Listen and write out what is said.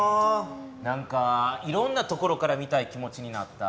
なんかいろんな所から見たい気持ちになった。